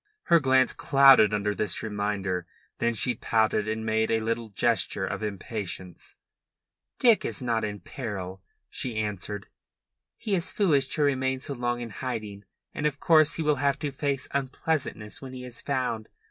Her glance clouded under this reminder. Then she pouted and made a little gesture of impatience. "Dick is not in peril," she answered. "He is foolish to remain so long in hiding, and of course he will have to face unpleasantness when he is found.